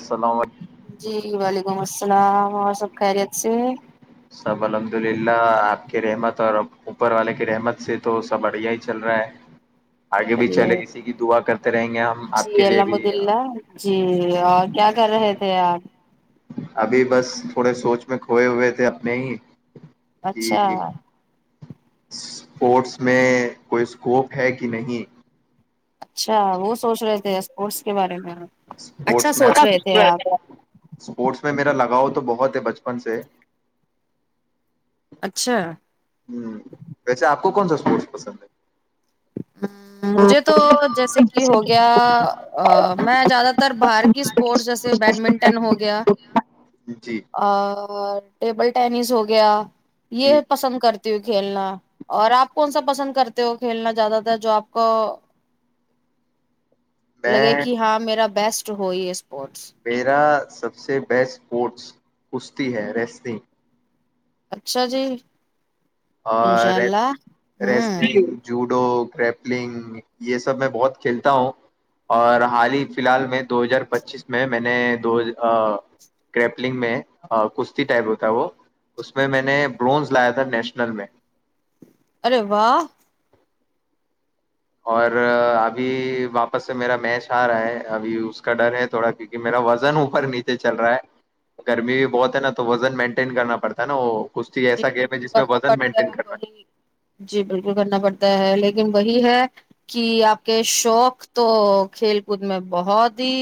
السلام علیکم جی وعلیکم السلام اور سب خہری جی سب الحمد للہ آپ کے رحمت اور اوپر والے کی رحمت سے تو سب بڑھیا ہی چل رہا ہے آگے بھی چلیے چلے اسی کی دعا کرتے رہیں گے ہم آپ جی کے لیے بھی الحمدلہ جی اور کیا کر رہے تھے تیار ابھی بس تھوڑے سوچ میں کھوئے ہوئے تھے اپنے ہی کہ اچھا اسپورٹس میں کوئی اسکوپ ہے کہ نہیں اچھا وہ سوچ رہے تھے اسپورٹس کے بارے میں پٹس اچھا سوچ رہے تھے آپ مپٹ میں میرا لگاؤ تو بہت ہے بچپن سے اچھا ہ ویسے آپ کو کون س سپورٹس پسند ہے ہ مجھے تو جیسے کہ ہو گیا میں زیادہ تر باہر کی اسپورٹس جیسے بیڈمنٹن ہو گیا جی اور ٹیبل ٹینس ہو گیا جی یہ پسند کرتے کھیلنا اور آپ کون سا پسند کرتے ہو کھیلنا زیادہ جو آپ کا میں لگے کہ ہاں میرا بیسٹ ہوئی اس میرا سب سے بیسٹ اسپورٹس پستتی ہے ریسنگ اچھا جی اور انشاء اللہ ریس ہوں جوٹ لڈو کرپلنگ یہ سب میں بہت کھیلتا ہوں اور حال ہی فی الحال میں دو ہزار پچیس میں میں نے دو کرپلگ میں کشتی ٹائپ ہوتا وہ اس میں میں نے برونز لایا تھا نیشل نن میں ارے واہ اور ابھی واپس سے میرا میش آ رہا ہے ابھی اس کا ڈر ہے تھوڑا کیونکہ میرا وزن اوپر نیچے چل رہا ہے گرمی بھی بہت ہے نا تو وزن مینٹین کرنا پڑتا ہے نا وہ کشتی جی ایسا گیم ہے بالکل جس میں کرنا وزن پڑتا ہے مینٹین کرنا وہی جی بالکل کرنا پڑتا [unintelligible] ہے لیکن وہی ہے کہ آپ کے شوق تو کھیل کود میں بہت ہی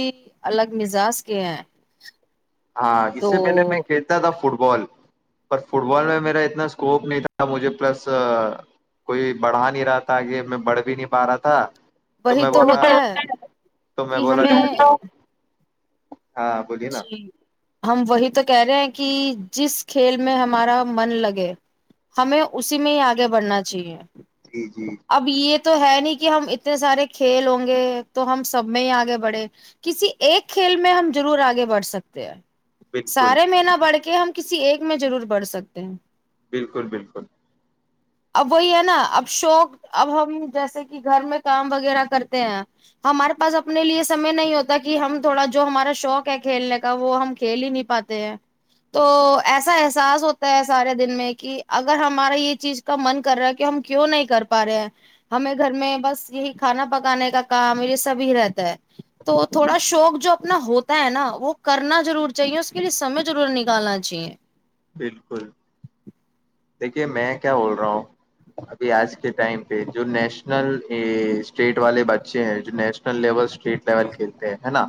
الگ مزاج کے ہیں ہاں اس تو سے پہلے میں کھیلتا تھا فٹ فٹ بال پر فٹ بال میں میرا اتنا اسکوپ نہیں تھا مجھے پلس کوئی بڑھا نہیں رہا تھا کہ میں بڑھ بھی نہیں پا رہا تھا تو وہی میں بولا ہوتا ہے تو میں کہ بولا ہمیں ہاں بولیے نا جی ہم وہی تو کہہ رہے ہیں کہ جس کھیل میں ہمارا من لگے ہمیں اسی میں ہی آگے بڑھنا چاہیے جی جی جی اب یہ تو ہے نہیں کہ ہم اتنے سارے کھیل ہوں گے تو ہم سب میں ہی آگے بڑھے کسی ایک کھیل میں ہم ضرور آگے بڑھ سکتے ہیں بالکل سارے مین پڑ کے کہ ہم کسی ایک میں ضرور پڑھ سکتے ہیں بالکل بالکل اب وہی ہے نا اب شوق اب ہم جیسے کہ گھر میں کام وغیرہ کرتے ہیں ہمارے پاس اپنے لیے سمے نہیں ہوتا کہ ہم تھوڑا جو ہمارا شوق ہے کھیلنے کا وہ ہم کھیل ہی نہیں پاتے ہیں تو ایسا احساس ہوتا ہے سارے دن میں کہ اگر ہمارا یہ چیز کا من کر رہا ہے کہ ہم کیوں نہیں کر پا رہے ہیں ہمیں گھر میں بس یہی کھانا پکانے کا کام یہ سبھی رہتا ہے تو تھوڑا شوق جو اپنا ہوتا تا ہے نا وہ کرنا ضرور چاہیے اس کے لیے سمے ضرور نکالنا چاہیے بالکل دیکھیے میں کیا بول رہا ہوں ابھی آج کے ٹائم پہ جو نیشنل اسٹیٹ والے بچے ہیں جو نیشنل لیول اسٹیٹ لیول کھیلتے ہیں ہے نا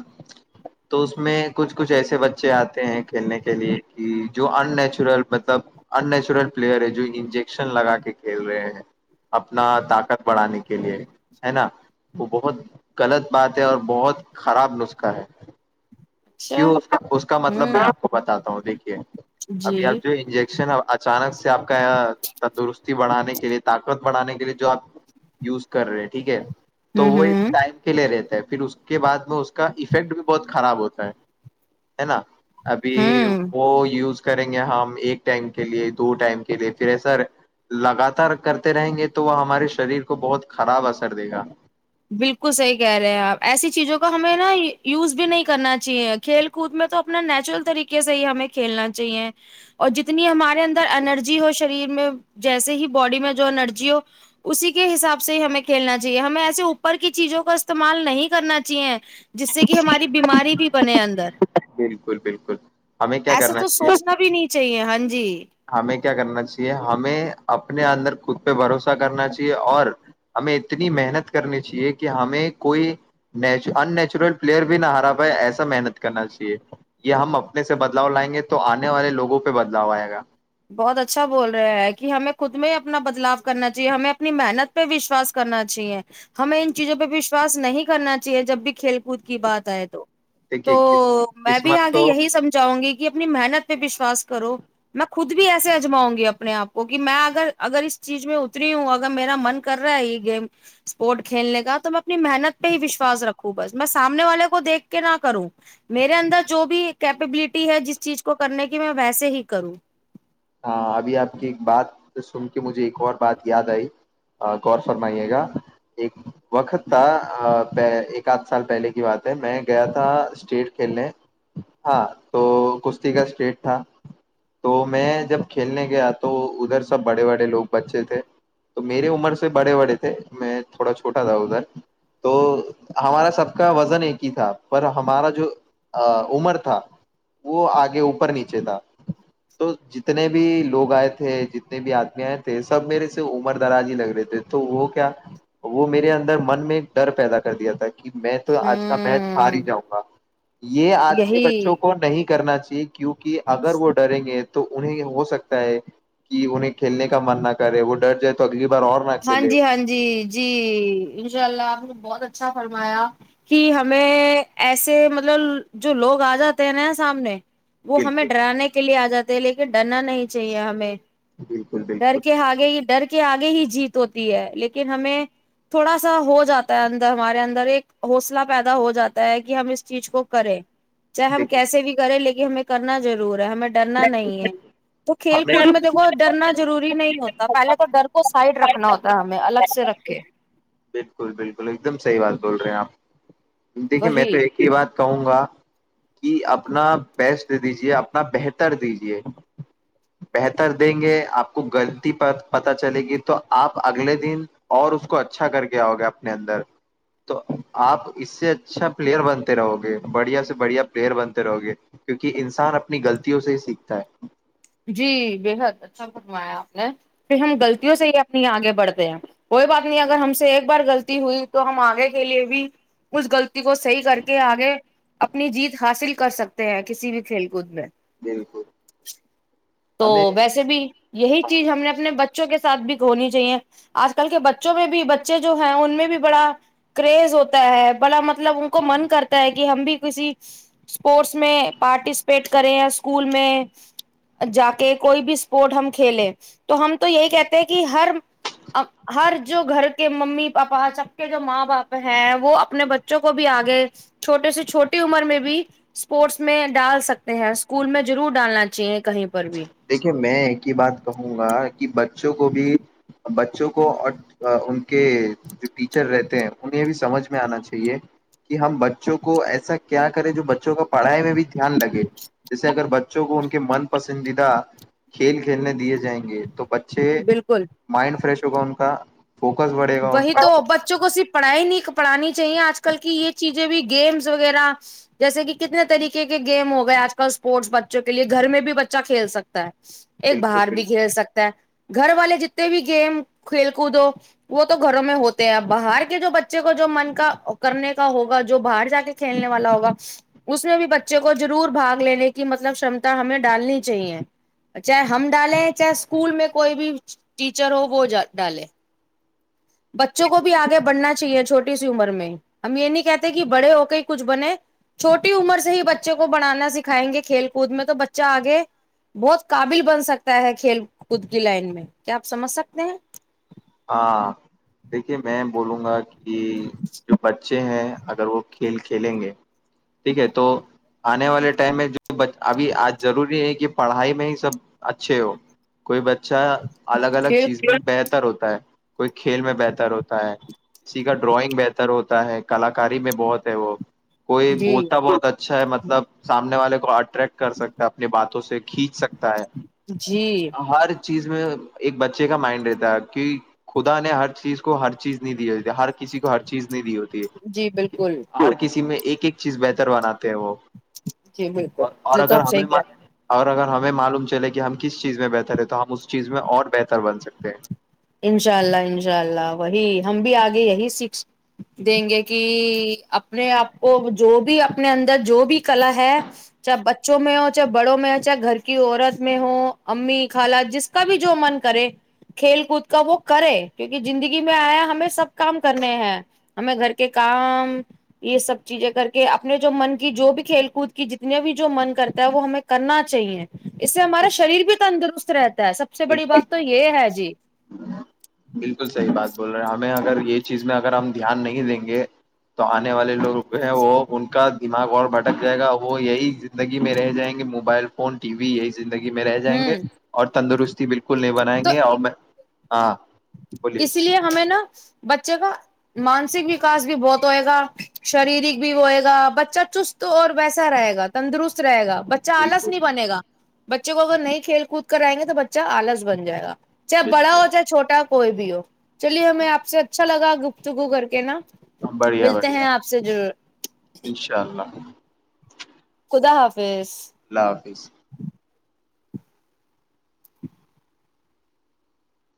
تو اس میں کچھ کچھ ایسے بچے آتے ہیں کھیلنے کے لیے کہ جو ان نیچرل مطلب ان نیچرل پلیئر ہے جو انجیکشن لگا کے کھیل رہے ہیں اپنا طاقت بڑھانے کے لیے ہے نا وہ بہت غلط بات ہے اور بہت خراب نسخہ ہے اچھا کیوں اس کا مطلب میں ہوں آپ کو بتاتا ہوں دیک جچھ ابھی جی آپ جو انجیکشن اچانک سے آپ کا تندرست بڑھانے کے لیے طاقت بڑانے کے لیے جو آپ یوز کر رہے ہیں ٹھیک ہے تو ہ وہ ایک ہ ٹائم کے لیے رہتے پھر اس کے بعد میں اس کا افیکٹ بھی بہت خراب ہوتا ہے ہے نا [unintelligible] ابھی ہوں وہ یوز کریں گے ہم ایک ٹائم کے لیے دو ٹائم کے لیے پھر ایسا لگاتار کرتے رہیں گے تو وہ ہمارے شریر کو بہت خراب اثر دے گا بالکل صحیح کہہ رہے ہیں آپ ایسی چیزوں کا ہمیں نا یوز بھی نہیں کرنا چاہیے کھیل کود میں تو اپنا نیچرل طریقے سے ہی ہمیں کھیلنا چاہیے اور جتنی ہمارے اندر انرجی ہو شریر میں جیسے ہی باڈی میں جو انرجی ہو اسی کے حساب سے ہی ہمیں کھیلنا چاہیے ہمیں ایسے ا پر کی چیزوں کا استعمال نہیں کرنا چاہیے جس سے کہ ہماری بیماری بھی بنے اندر بالکل بالکل ہمیں کیا ایسا کرنا تو چاہیے سوچنا بھی نہیں چاہیے ہاں جی ہمیں کیا کرنا چاہیے ہمیں اپنے اندر خود پہ بھروسہ کرنا چاہیے اور ہمیں اتنی محنت کرنی چاہیے کہ ہمیں کوئی ن ان نیچورل پلیئر بھی نہ ہرا پائے ایسا محنت کرنا چاہیے یہ ہم اپنے سے بدلاؤ لائیں گے تو آنے والے لوگوں پہ بدلاؤ آئے گا بہت اچھا بول رہے ہے کہ ہمیں خود میں اپنا بدلاؤ کرنا چاہیے ہمیں اپنی محنت پہ وشواس کرنا چاہیے ہمیں ان چیزوں پہ وشواس نہیں کرنا چاہیے جب بھی کھیل کود کی بات آئے تو تو دیکھیے کس میں بھی قسمت آگے تو یہی سمجھاؤں گی کہ اپنی محنت پہ وشواس کرو میں خود بھی ایسے اجاؤں گی اپنے آپ کو کہ میں اگر اگر اس چیز میں اتری ہوں اگر میرا من کر رہا ہے یہ گیم اسپورٹ کھیلنے کا تو میں اپنی محنت پہ ہی وشواس رکھوں بس میں سامنے والے کو دیکھ کے نہ کروں میرے اندر جو بھی کیپبلٹی ہے جس چیز کو کرنے کی میں ویسے ہی کروں ہاں ابھی آپ کی ایک بات سن کے مجھے ایک اور بات یاد آئی غور فرمائیے گا ایک وقت تھا ایک آدھ سال پہلے کی بات ہے میں گیا تھا اسٹیٹ کھیلنے ہاں تو کشتی کا اسٹیٹ تھا تو میں جب کھیلنے گیا تو ادھر سب بڑے بڑے لوگ بچے تھے تو میرے عمر سے بڑے بڑے تھے میں تھوڑا چھوٹا تھا ادھر تو ہمارا سب کا وزن ایک ہی تھا پر ہمارا جو عمر تھا وہ آگے اوپر نیچے تھا تو جتنے بھی لوگ آئے تھے جتنے بھی آدمی آئے تھے سب میرے سے عمر دراز ہی لگ رہے تھے تو وہ کیا وہ میرے اندر من میں ایک ڈر پیدا کر دیا تھا کہ میں تو آج کا میچ ہار ہوں ہی جاؤں و یہ آج کے یہی بچوں کو نہیں کرنا چاہیے کیونکہ اگر وہ ڈریں گے تو انہیں ہو سکتا ہے کہ انہیں کھیلنے کا من نہ کرے وہ ڈر جائے تو اگلی بار اور نہ ہاں کھیلے جی ہاں جی جی ان شاء اللہ آپ بہت اچ اچھا فرمایا کہ ہمیں ایسے مطلب جو لوگ آ جاتے ہیں نا سامنے وہ ہمیں بالکل ڈرانے کے لیے آ جاتا لے کے ڈرنا نہیں چاہیے ہمیں بالکل ڈر بالکل کے حے یہ ڈرک کے آگے ہی جیت ہوتی ہے لیکن ہمیں تھوڑا سا ہو جاتا ہے اندر ہمارے اندر ایک حوصلہ پیدا ہو جاتا ہے کہ ہم اس چیز کو کریں چاہے ہم دیکھیے کیسے بھی کریں لیکن یہ ہمیں کرنا ضرور ہے ہمیں ڈرنا نہیں ہے تو کھیل ہمیں کود میں دیکھو ڈرنا ضروری نہیں ہوتا پہلے تو ڈر کو سائڈ رکھ رکھنا ہوتا ہے ہمیں الگ سے رکھ اوکے بالکل بالکل ایک دم صحیح بات بول رہے ہیں آپ دیکھیے میں وہی تو ایک ہی بات کہوں گا کہ اپنا بیسٹ دیجیے اپنا بہتر دیجیے بہتر دیں گے آپ کو غلطی پت چلے گی تو آپ اگلے دن اور اس کو اچھا کر کے آؤ گے اپنے اندر تو آپ اس سے اچھا پلیئر بنتے رہو گے بڑھیا سے بڑھیا پلیئر بنتے رہو گے کیونکہ انسان اپنی غلطیوں سے ہی سیکھتا ہے جی بےحد اچھا فنمایا آپ نے پھر ہم غلطوں سے ہی اپنی آگے بڑھتے ہیں کوئی بات نہیں اگر ہم سے ایک بار غلطی ہوئی تو ہم آگے کے لیے بھی اس غلطی کو صحیح کر کے آگے اپنی جیت حاصل کر سکتے ہیں کسی بھی کھیل کود میں بالکل تو ہمیں ویسے بھی یہی چیز ہم نے اپنے بچ بچوں کے سھ بھی ہوھنی چاہیے آج کل کے بچوں میں بھی بچے جو ہیں ان میں بھی بڑا کریز ہوتا ہے بڑا مطلب ان کو من کرتا ہے کہ ہم بھی کسی اسپورٹس میں پارٹیسپیٹ کریں یا اسکول میں جا کے کوئی بھی اسپورٹ ہم کھیلے تو ہم تو یہی کہتے ہیں کہ ہر ہر جو گھر کے ممی پاپا سب کے جو ماں باپ ہیں وہ اپنے بچوں کو بھی آگے چھوٹے سے چھوٹی عمر میں بھی اسپورٹس میں ڈال سکتے ہیں اسکول میں ضرور ڈالنا چاہیے کہیں پر بھی دیکھیے میں ایک ہی بات کہوں گا بت چ گوبھی بچوں کو اور ان کے جو ٹیچر رہتے ہیں انہیں بھی سمجھ میں آنا چاہیے کہ ہم بچوں کو ایسا کیا کریں جو بچوں کا پڑھائی میں بھی دھیان لگے جیسے اگر بچ کو ان کے من پسندید کھیل کھیلنے دیے جائیں گے تو بچے چھ بالکل مائنڈ فریش جو کا ان کا فوکس بڑھے گا وہی تو بچوں کو صرف پڑھائی نہیں پڑھانی چاہیے آج کل کی یہ چیزیں بھی گیمس وغیرہ جیسے کہ کتنے طریقے کے گیم ہو گئے آج کل اسپورٹس بچوں کے لیے گھر میں بھی بچہ کھیل سکتا ہے ایک بالکل باہر بالکل بھی کھیل سکتا ہے گھر والے جتنے بھی گیم کھیل کود ہو وہ تو گھروں میں ہوتے ہیں باہر کے جو بچے کو جو من کا کرنے کا ہوگا جو باہر جا کے کھیلنے والا ہوگا اس میں بھی بچے کو ضرور بھگ لینے کی مطلب شمتا ہمیں ڈالنی چاہیے چاہے ہم ڈالیں چاہے اسکول میں کوئی بھی ٹیچر ہو وہ ڈالے بچوں کو بھی آگے بڑھنا چاہیے چھوٹے چھوٹی سی عمر میں ہم یہ نہیں کہتے کہ بڑے ہو کے ہی کچھ بنے چھوٹی عمر سے ہی بچے کو بڑانا سکھائیں گے کھیل کود میں تو بچہ آگے بہت قابل بن سکتا ہے کھیل کود کی لائن میں کیا آپ سمجھ سکتے ہیں ہاں دیکھیے میں بولوں گا کہ کہ جو بچے ہیں اگر وہ کھیل کھیلیں گے ٹھیک ہے تو آنے والے ٹائم میں جو ابھی آج ضروری ہے کہ پڑھائی میں ہی سب اچھے ہو کوئی بچہ الگ الگ پھر چیزیں بہتر ہوتا ہے کوئی کھیل میں بہتر ہوتا ہے کی کا ڈرائنگ بہتر ہوتا ہے کلاکاری میں بہت ہے وہ کوئی جی بولتا بہت اچھا ہے اچھا ہے مطلب سامنے والے کو اٹریکٹ کر سکتا اپنی باتوں سے کھینچ سکتا ہے جی ہر چیز میں ایک بچے کا مائنڈ رہتا ہے کہ خدا نے ہر چیز کو ہر چیز نہیں دی ہوتی ہر کسی کو ہر چیز نہیں دی ہوتی جی بالکل ہر کسی میں ایک ایک چیز بہتر بناتے ہیں وہ جی اور بالکل اور یہ تو اگر آپ ہمیں صحیح کہہ رہے ہیں اگر ہمیں معلوم چلے کہ ہم کس چیز میں بہتر ہے تو ہم اس چیز میں اور بہتر بن سکتے ہیں انشاء اللہ انشاء اللہ وہی ہم بھی آگے یہی سیکھ دیں گے کہ اپنے آپ کو جو بھی اپنے اندر جو بھی کلا ہے چاہے بچوں میں ہو چاہے بڑوں میں ہو چاہے گھر کی عورت میں ہو امی خال جس کا بھی جو من کرے کھیل کود کا وہ کرے کیوںکہ زندگی میں آیا ہمیں سب کام کرنے ہیں ہمیں گھر کے کام یہ سب چیزیں کر کے اپنے جو من کی جو بھی کھیل کود کی جتنے بھی جو من کرتا ہے وہ ہمیں کرنا چاہیے اس سے ہمارا شریر بھی تندرست رہتا سب سے بڑی بالکل بات تو یہ ہے جی بالکل صحیح بات بول رہے ہیں آپ اگر یہ چیز میں اگر ہم دھیان نہیں دیں گے تو آنے والے لوگ جو ہے وہ ان کا دماغ اور بھٹک جائے گا وہ یہی زندگی میں رہ جائیں گے موبائل فون ٹی وی یہی زندگی میں رہ جائیں گے ہوں اور تندرست جی بالکل ک نہیں بنائیں گے اور میں ہاں بولیے اس لیے ہمیں نا بچے کا مانسک وکاس بھی بہت ہو گا شریرک بھی ہوئے گا بچہ چست اور ویسا رہے گا تندرست رہے گا بچہ لس بالکل نہیں بنے گا بچے کو اگر نہیں کھیل کود کر آئیں گے تو بچہ آلس بن جائے گا چاہے بڑا ہو بالکل چاہے چھوٹا ہو کوئی بھی ہو [unintelligible] گفتگو کر کے نا بڑھیا ملتے ہیں بڑھیا آپ سے ضرور ان شاء اللہ خدا حافظ اللہ حافظ